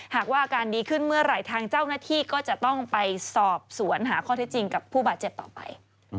หากว่าอาการดีขึ้นเมื่อไหร่ทางเจ้าหน้าที่ก็จะต้องไปสอบสวนหาข้อเท็จจริงกับผู้บาดเจ็บต่อไป